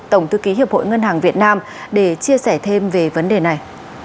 tổng thư ký hiệp hội ngân hàng việt nam để chia sẻ thêm về vấn đề này